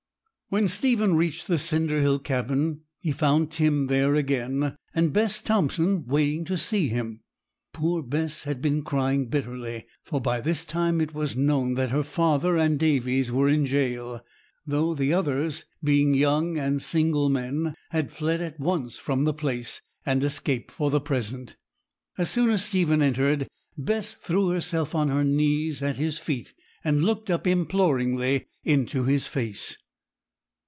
When Stephen reached the cinder hill cabin he found Tim there again, and Bess Thompson waiting to see him. Poor Bess had been crying bitterly, for by this time it was known that her father and Davies were in jail; though the others, being young and single men, had fled at once from the place, and escaped for the present. As soon as Stephen entered, Bess threw herself on her knees at his feet, and looked up imploringly into his face.